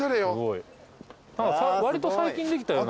わりと最近できたよな。